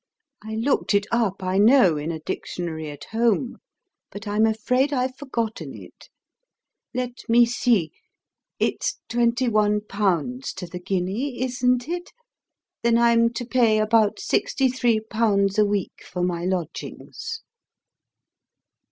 I looked it up, I know, in a dictionary at home; but I'm afraid I've forgotten it. Let me see; it's twenty one pounds to the guinea, isn't it? Then I'm to pay about sixty three pounds a week for my lodgings."